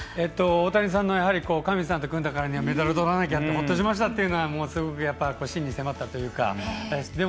大谷さんの上地さんと組んだからにはメダルをとらなきゃほっとしましたというのはすごく、真に迫ったというか。